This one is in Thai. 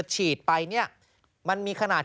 ฉีดไปมันมีขนาด